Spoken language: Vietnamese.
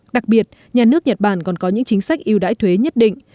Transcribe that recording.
đặc biệt nhà nước nhật bản còn có những chính sách yêu đãi thuế nhất định